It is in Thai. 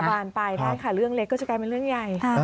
บานไปได้ค่ะเรื่องเล็กก็จะกลายเป็นเรื่องใหญ่